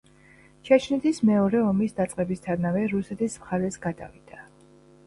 ჩეჩნეთის მეორე ომის დაწყებისთანავე რუსეთის მხარეს გადავიდა.